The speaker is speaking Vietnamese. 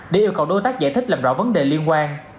để yêu cầu đối tác giải thích làm rõ vấn đề liên quan